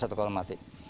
pernah satu kali mati